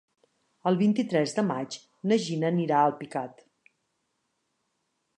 El vint-i-tres de maig na Gina anirà a Alpicat.